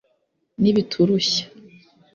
n'ibiturushya